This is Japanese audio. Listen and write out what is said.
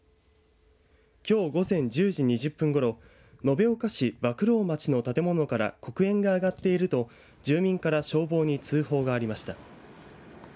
きょう午前１０時２０分ごろ、延岡市博労町の建物から黒煙が上がっていると住民から消防に通報がありました。